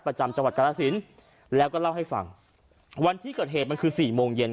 ประจำจังหวัดกรสินแล้วก็เล่าให้ฟังวันที่เกิดเหตุมันคือสี่โมงเย็น